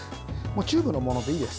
チューブのものでいいです。